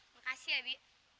makasih ya bi